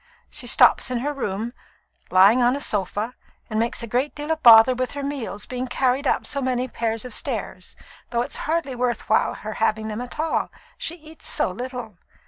She stops in her room, lying upon a sofa, and makes a deal of bother with her meals being carried up so many pairs of stairs, though it's hardly worth while her having them at all, she eats so little.